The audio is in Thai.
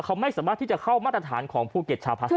เขาไม่สามารถที่จะเข้ามาตรฐานของภูเก็ตชาวพัส